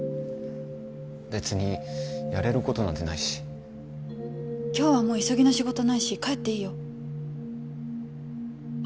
別にやれることなんてないし今日はもう急ぎの仕事ないし帰っていいよ